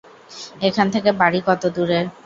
এখান থেকে বাড়ি কত দূরে?